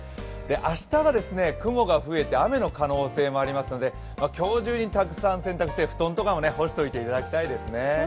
明日は雲が増えて雨の可能性もありますので、今日中にたくさん洗濯して布団も干しておいていただきたいですね。